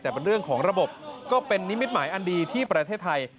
แต่เป็นเรื่องของระบบก็เป็นนิมิตหมายอันดีที่ประเทศไทย